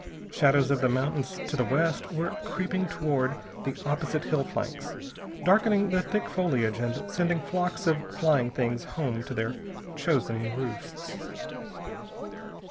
Shadows of the mountains to the west were creeping toward the opposite hill flanks, darkening the thick foliage and sending flocks of flying things home to their chosen roosts.